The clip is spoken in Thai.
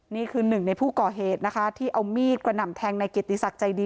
นี่คือหนึ่งในผู้ก่อเหตุนะคะที่เอามีดกระหน่ำแทงในเกียรติศักดิ์ใจดี